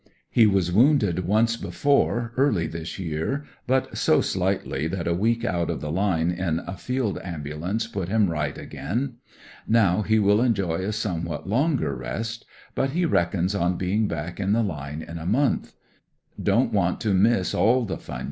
He was wounded once before, early this year, but so slightly that a week out of the line in a field ambulance put him right again. Now he will enjoy a somewhat longer rest, but he reckons on I 1 being back in the line in a month. "Don't want to miss aU the fun.